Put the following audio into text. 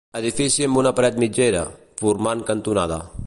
Edifici amb una paret mitgera, formant cantonada.